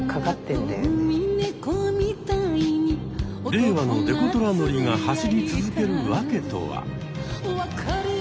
令和のデコトラ乗りが走り続ける訳とは？